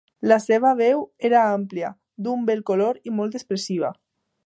La seva veu era àmplia, d'un bell color i molt expressiva.